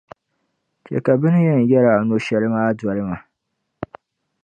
chɛ ka bɛ ni yɛn yɛl’ a no’ shɛli maa doli ma.